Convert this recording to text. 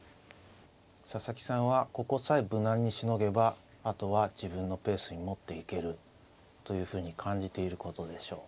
佐々木さんはここさえ無難にしのげばあとは自分のペースに持っていけるというふうに感じていることでしょう。